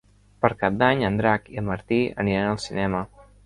Per Cap d'Any en Drac i en Martí aniran al cinema.